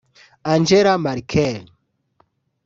Angela Merkel